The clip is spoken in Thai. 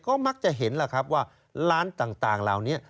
ก็มักจะเห็นแหละครับว่าร้านต่างราวนี้